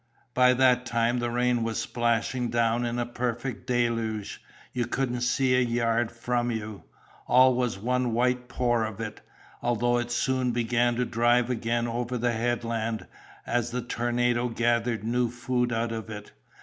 By that time the rain was plashing down in a perfect deluge—you couldn't see a yard from you—all was one white pour of it; although it soon began to drive again over the headland, as the tornado gathered new food out of it.